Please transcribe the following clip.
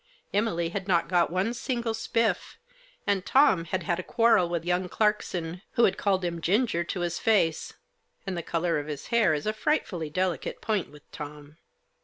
Emily had not got one single spiff, and Tom had had a quarrel with young Clarkson, who had called him Ginger to his face — and the colour of his hair is a frightfully delicate point with Tom.